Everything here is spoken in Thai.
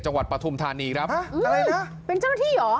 จังหวัดปฑมธานีนะครับ